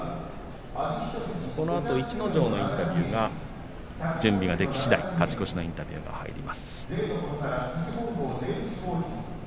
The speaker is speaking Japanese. このあと逸ノ城のインタビューが準備ができしだい勝ち越しのインタビューが入ります。